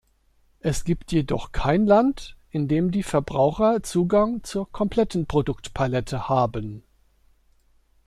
Es gibt jedoch kein Land, in dem die Verbraucher Zugang zur kompletten Produktpalette haben.